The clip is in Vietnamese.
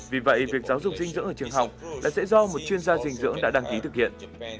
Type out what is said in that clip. vì vậy việc giáo dục dinh dưỡng ở trường học là sẽ do một chuyên gia dinh dưỡng đã đăng ký thực hiện